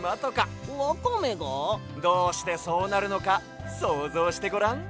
どうしてそうなるのかそうぞうしてごらん！